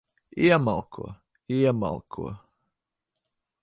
Iemalko. Iemalko.